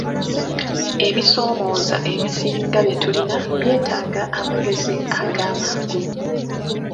Ebisoomooza ebisinga bye tulina byetaaga amagezi agamangu.